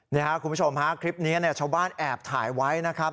นี่ครับคุณผู้ชมฮะคลิปนี้ชาวบ้านแอบถ่ายไว้นะครับ